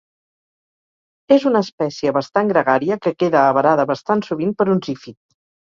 És una espècie bastant gregària que queda avarada bastant sovint per un zífid.